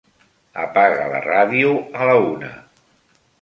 Apaga la ràdio a la una.